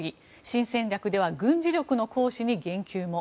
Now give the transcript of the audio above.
新戦略では軍事力の行使に言及も。